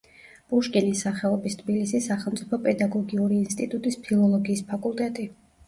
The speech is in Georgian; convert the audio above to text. პუშკინის სახელობის თბილისის სახელმწიფო პედაგოგიური ინსტიტუტის ფილოლოგიის ფაკულტეტი.